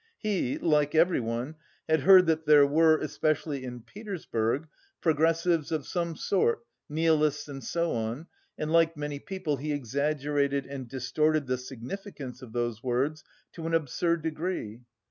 He, like everyone, had heard that there were, especially in Petersburg, progressives of some sort, nihilists and so on, and, like many people, he exaggerated and distorted the significance of those words to an absurd degree.